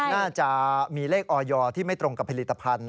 น่าจะมีเลขออยที่ไม่ตรงกับผลิตภัณฑ